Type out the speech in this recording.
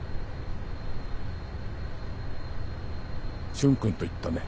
俊君といったね。